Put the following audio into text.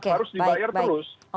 harus dibayar terus